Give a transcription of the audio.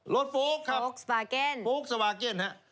รถโฟลกครับโฟลกสวาเก็นครับโฟลกสวาเก็นครับ